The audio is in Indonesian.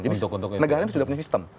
jadi negaranya sudah punya sistem